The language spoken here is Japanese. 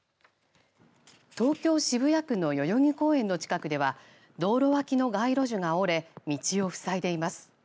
東京・渋谷区の代々木公園の近くでは道路脇の街路樹が折れ道を塞いでいます。